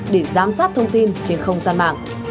để giám sát thông tin trên không gian mạng